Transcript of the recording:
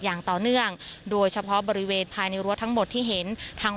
อย่างต่อเนื่องโดยเฉพาะบริเวณภายในรั้วทั้งหมดที่เห็นทาง